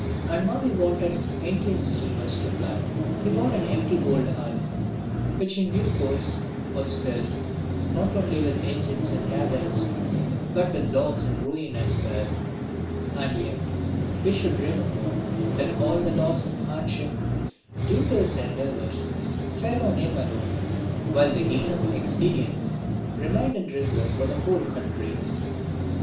And now that he wanted Indian steamers to ply, he bought an empty old hulk, which in due course, was filled, not only with engines and cabins, but with loss and ruin as well. And yet we should remember that all the loss and hardship due to his endeavours fell on him alone, while the gain of experience remained in reserve for the whole country.